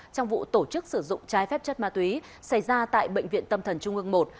trong vụ tổ chức sử dụng trái phép chất ma túy xảy ra tại bệnh viện tâm thần trung ương một